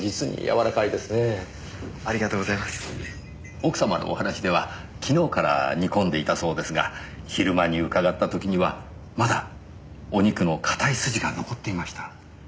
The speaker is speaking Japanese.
奥様のお話では昨日から煮込んでいたそうですが昼間に伺った時にはまだお肉の硬い筋が残っていました。